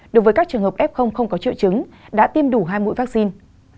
đối với các trường hợp f không có triệu chứng đã tiêm đủ hai mũi vaccine